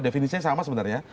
definisinya sama sebenarnya